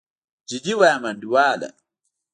جدي وايم انډيواله.